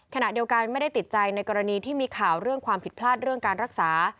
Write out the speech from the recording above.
ขณะเดียวกันไม่ได้ติดใจในกรณีที่มีข่าวเรื่องความผิดพลาดเรื่องการรักษา